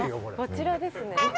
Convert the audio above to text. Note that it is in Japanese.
こちらですね。